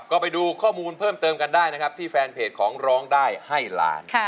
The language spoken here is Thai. ก็ไปดูข้อมูลเพิ่มเติมกันได้นะครับที่แฟนเพจของร้องได้ให้ล้าน